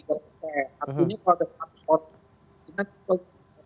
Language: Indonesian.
kita harus mengikuti itu